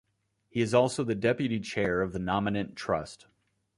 He is also the deputy chair of the Nominet Trust.